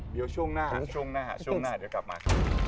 เดี๋ยวช่วงหน้าเดี๋ยวกลับมา